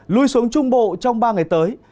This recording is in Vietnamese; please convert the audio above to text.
lui xuống trung bộ trong ba ngày tới